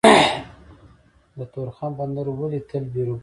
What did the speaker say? د تورخم بندر ولې تل بیروبار وي؟